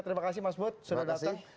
terima kasih mas bud sudah datang